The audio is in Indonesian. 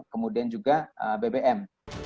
kemudian juga bbm